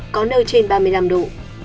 có nơi trên ba mươi năm độ